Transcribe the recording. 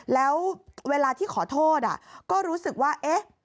แล้วเวลาที่ขอโทษก็รู้สึกว่าเอ๊ะ